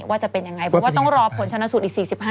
ว่าจะเป็นยังไงเพราะว่าต้องรอผลชนสูตรอีก๔๕